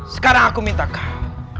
sekarang aku minta kau